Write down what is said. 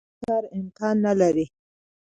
دا کار امکان نه لري.